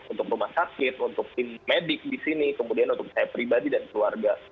untuk rumah sakit untuk tim medik di sini kemudian untuk saya pribadi dan keluarga